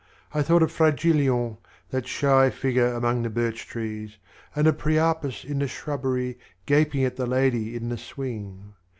I thought of Fragilion, that shy figure among the birch trees, And of Priapus in the shrubbery Gaping at the lady in the swing.